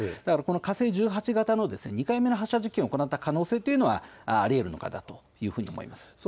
火星１８型の２回目の発射実験を行った可能性というのはありえるのかなと思います。